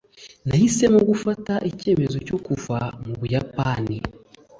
nahisemo gufata icyemezo cyo kuva mu buyapani